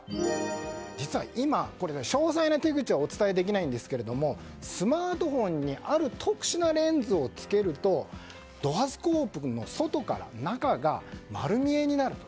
実は今、詳細な手口はお伝えできないんですがスマートフォンにある特殊なレンズをつけるとドアスコープの外から中が丸見えになると。